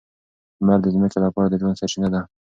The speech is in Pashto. لمر د ځمکې لپاره د ژوند سرچینه ده.